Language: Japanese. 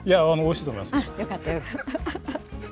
よかった、よかった。